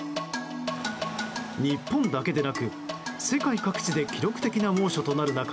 日本だけでなく世界各地で記録的な猛暑となる中